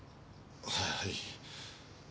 はい。